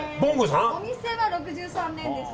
お店は６３年です。